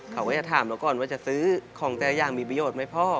เขาก็จะถามเราก่อนว่าจะซื้อของแต่ละอย่างมีประโยชน์ไหมพ่อ